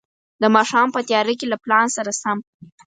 د ماښام په تياره کې له پلان سره سم.